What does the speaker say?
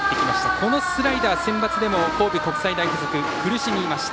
このスライダー、センバツでも神戸国際大付属苦しみました。